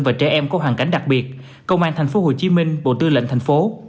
và trẻ em có hoàn cảnh đặc biệt công an tp hcm bộ tư lệnh tp